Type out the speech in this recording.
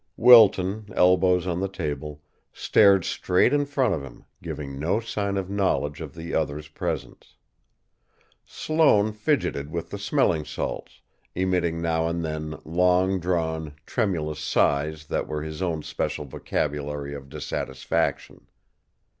Wilton, elbows on the table, stared straight in front of him, giving no sign of knowledge of the other's presence. Sloane fidgeted with the smelling salts, emitting now and then long drawn, tremulous sighs that were his own special vocabulary of dissatisfaction.